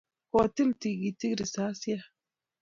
Kotil tigitik risasiat